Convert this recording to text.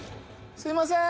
すいません。